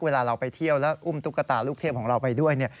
เวลาเราไปเที่ยวแล้วอุ้มตุ๊กตาลูกเทพของเราไปด้วย